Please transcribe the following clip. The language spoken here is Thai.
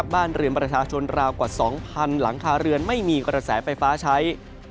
บ้านเรือนประชาชนราวกว่า๒๐๐๐หลังคาเรือนไม่มีกระแสไฟฟ้าใช้